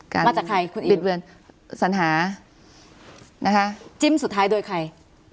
มาจากใครคุณบิดเวือนสัญหานะคะจิ้มสุดท้ายโดยใคร